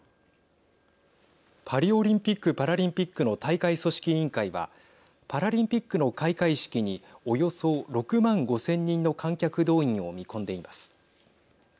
パリオリンピック・パラリンピックの大会組織委員会はパラリンピックの開会式におよそ６万５０００人の観客動員を見込んでいます。